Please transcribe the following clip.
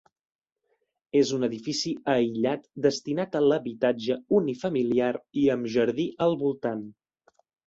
És un edifici aïllat destinat a l'habitatge unifamiliar i amb jardí al voltant.